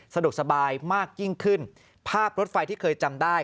สะดวกสบายมากยิ่งขึ้นภาพรถไฟที่เคยจำได้